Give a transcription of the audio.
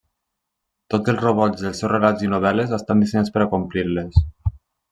Tots els robots dels seus relats i novel·les estan dissenyats per a complir-les.